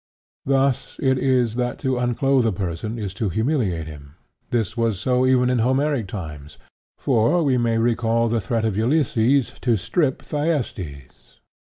Thus it is that to unclothe a person, is to humiliate him; this was so even in Homeric times, for we may recall the threat of Ulysses to strip Thyestes.